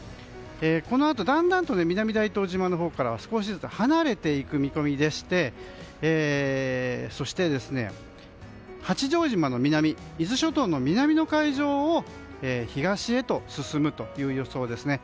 このあと、だんだんと南大東島のほうからは少しずつ離れていく見込みでしてそして、八丈島の南伊豆諸島の南の海上を東へと進むという予想ですね。